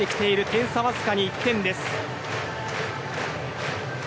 点差わずかに１点です。